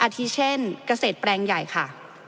ที่เช่นเกษตรแปลงใหญ่ค่ะ